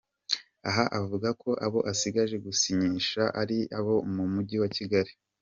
Aha avuga ko abo asigaje gusinyishaho ari abo mu mujyi wa Kigali.